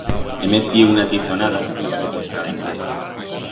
He metiu una tizonada ta que tos calentez.